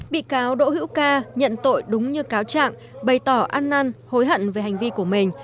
bị cáo đỗ hữu ca nhận tội đúng như cáo trạng bày tỏ ăn năn hối hận về hành vi của mình